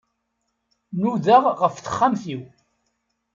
Nudaɣ ɣef texxamt-iw.